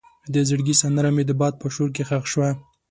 د زړګي سندره مې د باد په شور کې ښخ شوه.